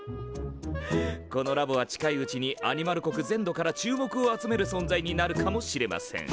このラボは近いうちにアニマル国全土から注目を集める存在になるかもしれません。